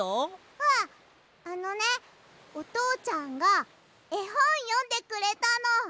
あっあのねおとうちゃんがえほんよんでくれたの。